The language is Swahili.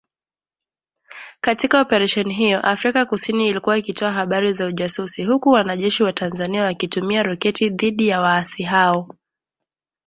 Katika Operesheni hiyo, Afrika kusini ilikuwa ikitoa habari za ujasusi huku wanajeshi wa Tanzania wakitumia roketi dhidi ya waasi hao.